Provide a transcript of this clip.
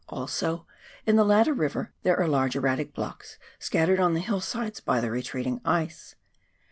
Also in the latter river there are large erratic blocks scattered on the hillsides by the retreating ice.